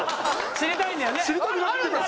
知りたいんだよね？